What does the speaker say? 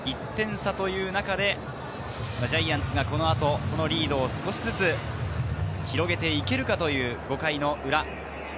１点差という中で、ジャイアンツがこの後、そのリードを少しずつ広げていけるかという５回裏。